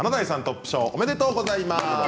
おめでとうございます。